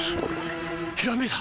ひらめいた！